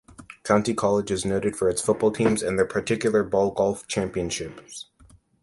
County College is noted for its football teams and their particular "bar golf" championship.